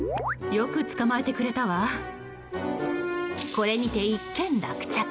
これにて一件落着。